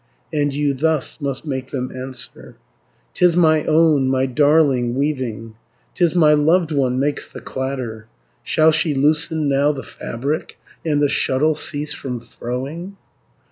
And you thus must make them answer: ''Tis my own, my darling, weaving, 'Tis my loved one makes the clatter, Shall she loosen now the fabric, And the shuttle cease from throwing?'